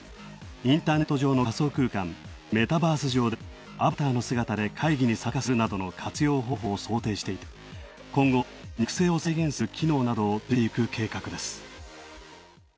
インターネット上の仮想空間、メタバース上でアバターの姿で会議に参加するなどの活用方法を想定していて、今後、肉声を再現する機能などを追加していく計画です。